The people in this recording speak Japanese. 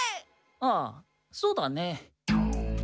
ああそうだね。